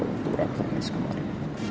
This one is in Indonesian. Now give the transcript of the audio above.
waktu rakamnya sekemarin